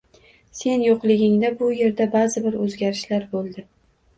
Sen yo`qligingda bu erda ba`zi-bir o`zgarishlar bo`ldi